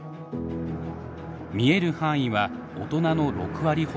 見える範囲は大人の６割ほど。